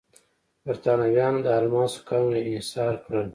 برېټانویانو د الماسو کانونه انحصار کړل.